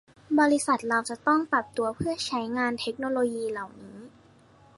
บริษัทเราจะต้องปรับตัวเพื่อใช้งานเทคโนโลยีเหล่านี้